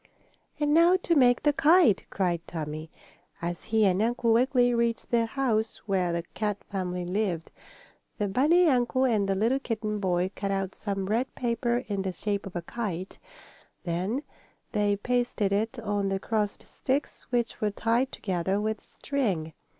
"And now to make the kite!" cried Tommie, as he and Uncle Wiggily reached the house where the Kat family lived. The bunny uncle and the little kitten boy cut out some red paper in the shape of a kite. Then they pasted it on the crossed sticks, which were tied together with string.